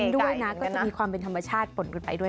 ด้วยนะก็จะมีความเป็นธรรมชาติปนกันไปด้วย